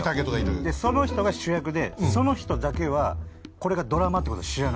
その人が主役でその人だけはこれがドラマってことを知らない。